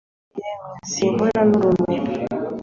yemwe sinkorwe n'urume